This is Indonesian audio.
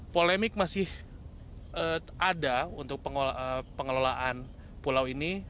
polemik masih ada untuk pengelolaan pulau ini